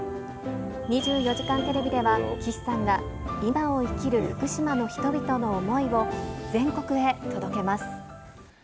２４時間テレビでは、岸さんが今を生きる福島の人々の想いを全国へ届けます。